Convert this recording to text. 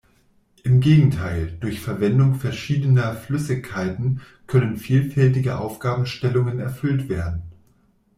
Im Gegenteil: Durch Verwendung verschiedener Flüssigkeiten können vielfältige Aufgabenstellungen erfüllt werden.